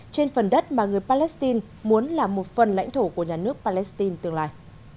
trên phần đất mà người palestine muốn là một phần lãnh thổ của nhà nước palestine tương lai